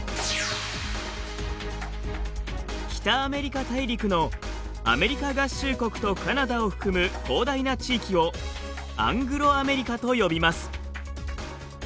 北アメリカ大陸のアメリカ合衆国とカナダを含む広大な地域をアングロアメリカと呼びます。